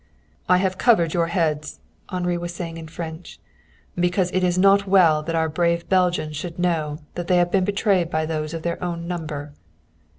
"I have covered your heads," Henri was saying in French, "because it is not well that our brave Belgians should know that they have been betrayed by those of their own number."